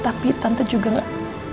tapi tante juga gak